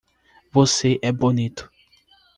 Você é bonito